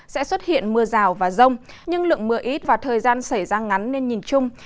sẽ xuất hiện mưa rào và rông nhưng lượng mưa ít và thời gian xảy ra ngắn nên nhìn chung